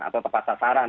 atau tepat sasaran